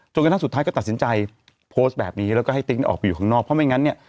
กระทั่งสุดท้ายก็ตัดสินใจโพสต์แบบนี้แล้วก็ให้ติ๊กออกไปอยู่ข้างนอกเพราะไม่งั้นเนี่ย